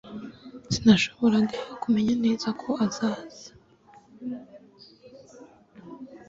Sinashoboraga kumenya neza ko azaza